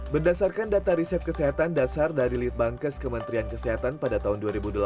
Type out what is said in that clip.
berdasarkan data riset kesehatan dasar dari litbangkes kementerian kesehatan pada tahun dua ribu delapan belas